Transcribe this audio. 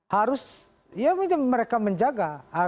harus ya mungkin mereka menjaga